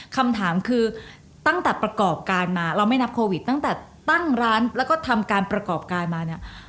คำถามคือตั้งแต่ประกอบการมาเราไม่นับโควิดตั้งแต่ตั้งร้านแล้วก็ทำการประกอบการมาเนี่ย